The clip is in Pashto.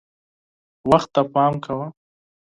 وخت ته پام کوه .